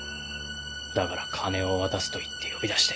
だから金を渡すと言って呼び出して。